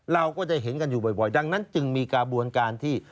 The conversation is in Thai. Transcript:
เราก็จะเห็นกันอยู่บ่อยดังนั้นจึงมีกระบวนการที่